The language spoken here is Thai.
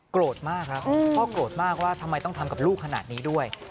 โกรธมากครับพ่อโกรธมากว่าทำไมต้องทำกับลูกขนาดนี้ด้วย